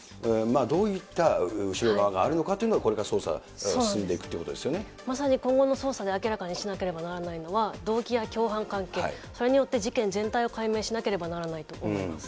どういった後ろ側があるのかというのは、これから捜査進んでいくまさに今後の捜査で明らかにしなければならないのは、動機や共犯関係、それによって事件全体を解明しなければならないと思います。